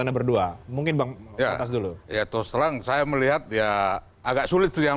anda berdua mungkin bang atas dulu ya terus terang saya melihat ya agak sulit itu yang